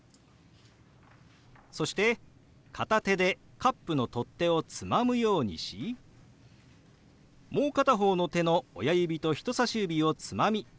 そして片手でカップの取っ手をつまむようにしもう片方の手の親指と人さし指をつまみかき混ぜるように動かします。